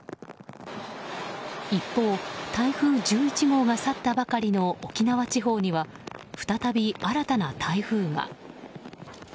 一方、台風１１号が去ったばかりの沖縄地方には再び新たな台風が。